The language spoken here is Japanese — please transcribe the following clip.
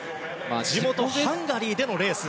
地元ハンガリーでのレース。